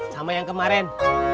sama yang kemarin